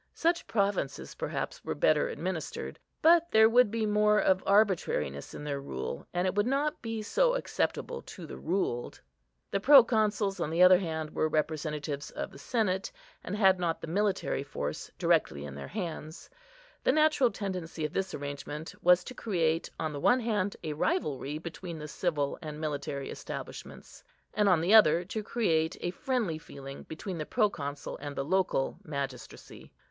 Such provinces, perhaps, were better administered; but there would be more of arbitrariness in their rule, and it would not be so acceptable to the ruled. The Proconsuls, on the other hand, were representatives of the Senate, and had not the military force directly in their hands. The natural tendency of this arrangement was to create, on the one hand, a rivalry between the civil and military establishments; and, on the other, to create a friendly feeling between the Proconsul and the local magistracy.